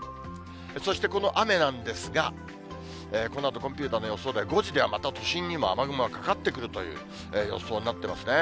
そしてこの雨なんですが、このあとコンピューターの予想では、５時ではまた都心にも雨雲がかかってくるという予想になっていますね。